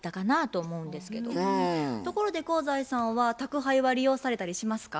ところで香西さんは宅配は利用されたりしますか？